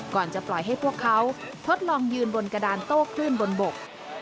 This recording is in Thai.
ก่อนจะปล่อยให้พวกเขาทดลองยืนบนกระดานโต้คลื่นบนบก